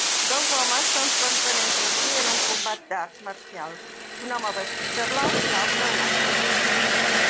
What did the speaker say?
Dos homes s'enfronten entre si en un combat d'arts marcials, un home vestit de blau i l'altre blanc